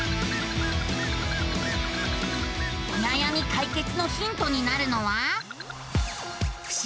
おなやみ解決のヒントになるのは。